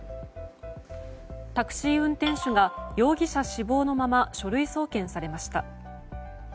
タクシー運転手が容疑者死亡のまま書類送検されました。